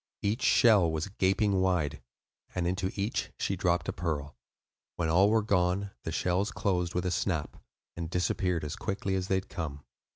Each shell was gaping wide, and into each she dropped a pearl. When all were gone, the shells closed with a snap, and disappeared as quickly as they had come.